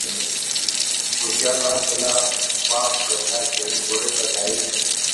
Uhusiano wake na wakwe zake uliboreshwa zaidi